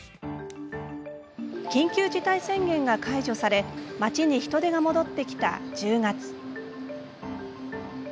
緊急事態宣言が解除され街に人出が戻ってきた１０月。